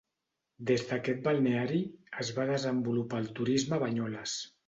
Des d'aquest balneari, es va desenvolupar el turisme a Banyoles.